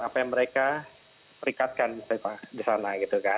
apa yang mereka perikatkan di sana